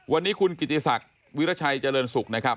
วันนี้คุณกิจิศักดิ์วิรัชัยเจริญสุข